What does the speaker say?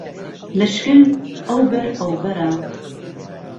لشکر ئهو بهر ئهو بەره